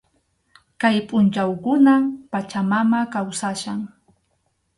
Kay pʼunchawkunam Pachamama kawsachkan.